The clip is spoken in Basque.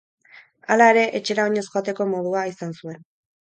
Hala ere, etxera oinez joateko modua izan zuen.